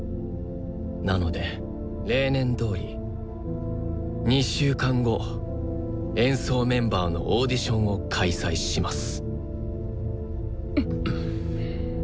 なので例年どおり２週間後演奏メンバーのオーディションを開催します。